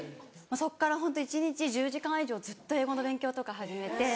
そっから一日１０時間以上ずっと英語の勉強とか始めて。